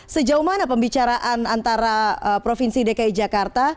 sejauh mana pembicaraan antara provinsi dki jakarta